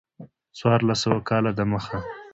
څوارلس سوه کاله د مخه.